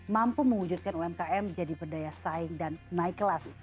mampu mewujudkan umkm jadi berdaya saing dan naik kelas